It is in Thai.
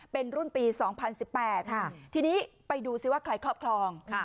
เป็นรุ่นปี๒๐๑๘ทีนี้ไปดูซิว่าใครครอบครอง